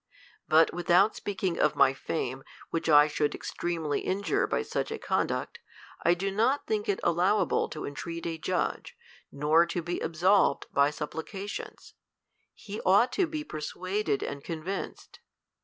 But without speaking of my fame, which I should extremely injure by such a conduct, I do not think it allowable to entreat a judge, nor to be absolved by sup plications : he ought to be persuaded and convinced.